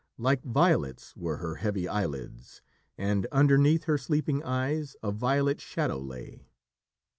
Like violets were her heavy eyelids, and underneath her sleeping eyes a violet shadow lay.